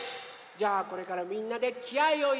じゃあこれからみんなできあいをいれましょう。